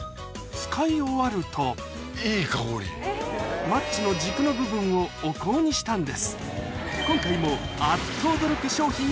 使い終わるとマッチの軸の部分をお香にしたんです